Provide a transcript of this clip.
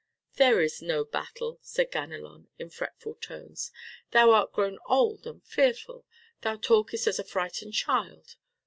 "There is no battle," said Ganelon in fretful tones. "Thou art grown old and fearful. Thou talkest as a frightened child.